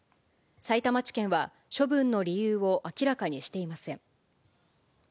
さいたま地検は、処分の理由を明らかにしていません。